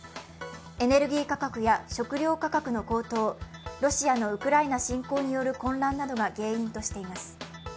エネルギー価格や食糧価格の高騰、ロシアのウクライナ侵攻などによる混乱が原因としています。